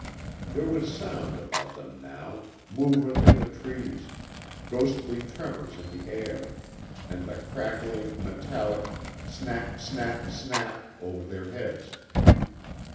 There was sound about them now movement in the trees, ghostly tremours in the air, and the crackling, metallic SNAP SNAP SNAP over their heads.